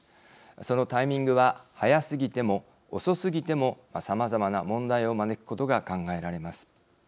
そのタイミングは早すぎても、遅すぎてもさまざまな問題を招くことが考えられます。